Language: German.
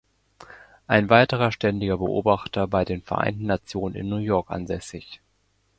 Ein weiterer ständiger Beobachter ist bei den Vereinten Nationen in New York ansässig.